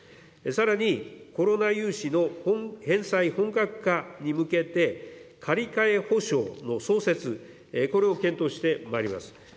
さらに、コロナ融資の返済本格化に向けて、借り替えほしょうの創設、これを検討してまいります。